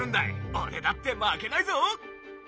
俺だって負けないぞ。